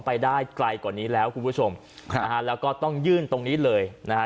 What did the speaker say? ไปได้ไกลกว่านี้แล้วคุณผู้ชมครับนะฮะแล้วก็ต้องยื่นตรงนี้เลยนะฮะ